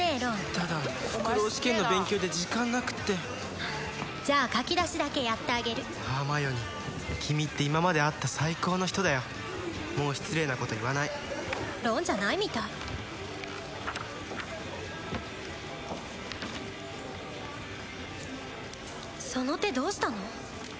ただフクロウ試験の勉強で時間なくってじゃあ書き出しだけやってあげるハーマイオニー君って今まで会った最高の人だよもう失礼なこと言わないロンじゃないみたいその手どうしたの？